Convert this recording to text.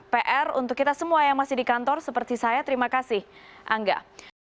pr untuk kita semua yang masih di kantor seperti saya terima kasih angga